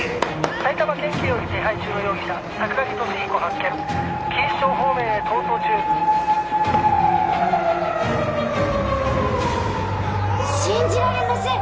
「埼玉県警より手配中の容疑者桜木敏彦発見」「錦糸町方面へ逃走中」信じられません！